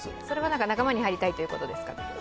それは仲間に入りたいということですか？